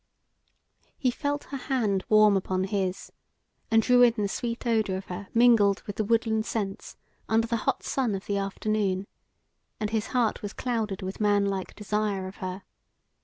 He felt her hand warm upon his, and drew in the sweet odour of her mingled with the woodland scents under the hot sun of the afternoon, and his heart was clouded with manlike desire of her.